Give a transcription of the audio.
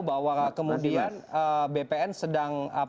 bahwa kemudian bpn